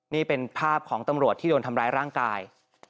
นี่เป็นภาพของตำรวจที่โดนทำร้ายร่างกาย